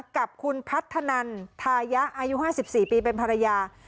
กับคุณพัฒนันทายะอายุ๕๔ปีเป็นภรรยา